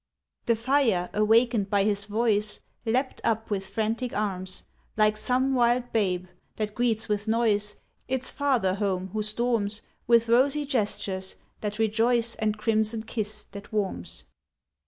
The fire, awakened by his voice, Leapt up with frantic arms, Like some wild babe that greets with noise Its father home who storms, With rosy gestures that rejoice And crimson kiss that warms.